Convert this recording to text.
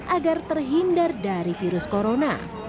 agar terhindar dari virus corona